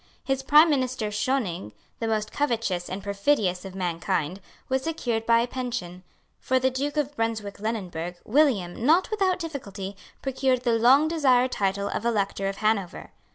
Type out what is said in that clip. His prime minister Schoening, the most covetous and perfidious of mankind, was secured by a pension. For the Duke of Brunswick Lunenburg, William, not without difficulty, procured the long desired title of Elector of Hanover.